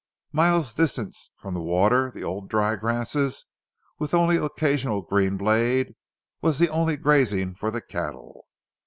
Miles distant from the water the old dry grass, with only an occasional green blade, was the only grazing for the cattle.